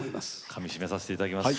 かみしめさせていただきます。